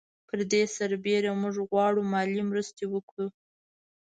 پر دې برسېره موږ غواړو مالي مرستې وکړو.